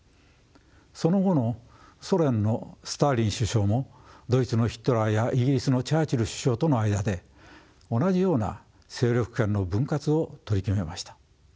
その後のソ連のスターリン首相もドイツのヒトラーやイギリスのチャーチル首相との間で同じような勢力圏の分割を取り決めました。